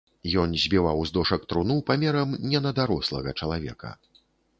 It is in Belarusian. Ён збіваў з дошак труну, памерам не на дарослага чалавека.